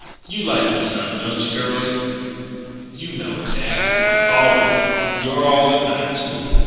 "You like me some, don't you, girlie?" "You know it, dad." "All right. You're all that matters to me